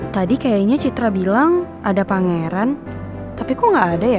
tadi kayaknya citra bilang ada pangeran tapi kok gak ada ya